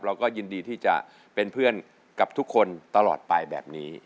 เราก็ยินดีที่จะเป็นเพื่อนกับทุกคนตลอดไปแบบนี้